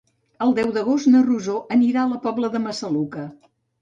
El deu d'agost na Rosó anirà a la Pobla de Massaluca.